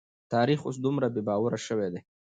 تاريخ اوس دومره بې باوره شوی دی.